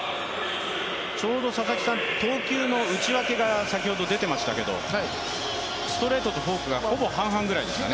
ちょうど投球の打ち分けが先ほど出ていましたけれども、ストレートとフォークがほぼ半々ぐらいですかね。